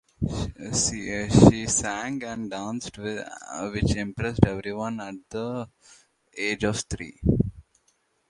She sang and danced which impressed everyone even at the age of three.